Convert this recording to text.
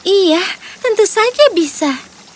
iya tentu saja bisa